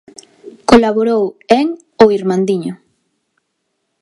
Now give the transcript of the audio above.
Colaborou en "O Irmandiño".